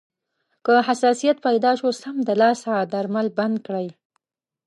که حساسیت پیدا شو، سمدلاسه درمل بند کړئ.